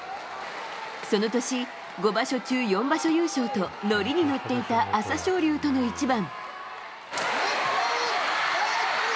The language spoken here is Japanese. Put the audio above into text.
その年、５場所中４場所優勝と乗りに乗っていた朝青龍との一番。